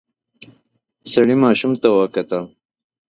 سړی ماشوم ته وکتل.